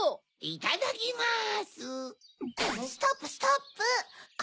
いただきます！